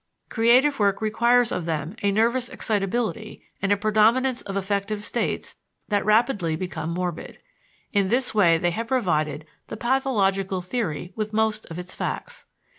Creative work requires of them a nervous excitability and a predominance of affective states that rapidly become morbid. In this way they have provided the pathological theory with most of its facts.